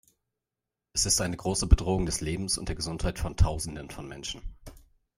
Es ist eine große Bedrohung des Lebens und der Gesundheit von Tausenden von Menschen.